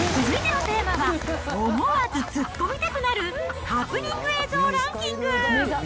続いてのテーマは、思わず突っ込みたくなるハプニング映像ランキング。